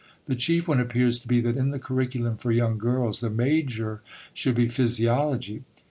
The chief one appears to be that in the curriculum for young girls the "major" should be physiology.